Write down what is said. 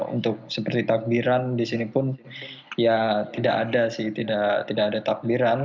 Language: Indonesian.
untuk seperti takbiran di sini pun ya tidak ada sih tidak ada takbiran